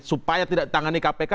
supaya tidak ditangani kpk